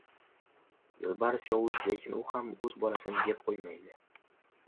• Yo‘lbars yovuz, lekin u ham o‘z bolasini yeb qo‘ymaydi.